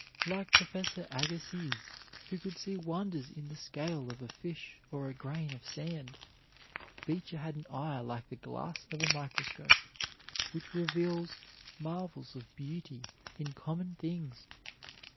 Like Professor Agassiz, who could see wonders in the scale of a fish or a grain of sand, Beecher had an eye like the glass of a microscope, which reveals marvels of beauty in common things.